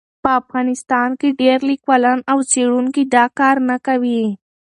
په افغانستان کې ډېر لیکوالان او څېړونکي دا کار نه کوي.